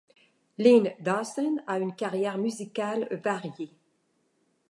Lynne Dawson a une carrière musicale variée.